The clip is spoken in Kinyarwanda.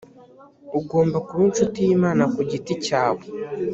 ugomba kuba incuti y’imana ku giti cyawe